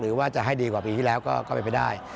หรือว่าจะให้ดีกว่าปีที่แล้วก็เป็นไปได้